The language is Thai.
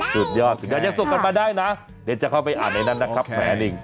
สุดยอดสุดยอดยังส่งกันมาได้นะเดี๋ยวจะเข้าไปอ่านในนั้นนะครับแผลลิง